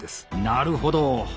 なるほど。